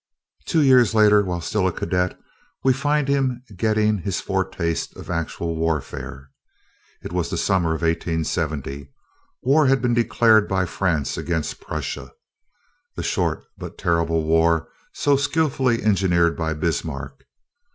Two years later, while still a cadet, we find him getting his foretaste of actual warfare. It was the summer of 1870. War had been declared by France against Prussia the short but terrible war so skilfully engineered by Bismarck.